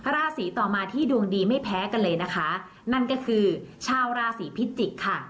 ราศีต่อมาที่ดวงดีไม่แพ้กันเลยนะคะนั่นก็คือชาวราศีพิจิกค่ะ